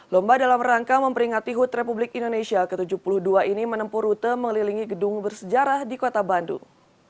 lomba dalam rangka memperingati hood republik indonesia ke tujuh puluh dua ini menempuh rute mengelilingi gedung bersejarah di kota bandung